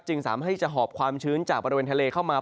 สามารถให้จะหอบความชื้นจากบริเวณทะเลเข้ามา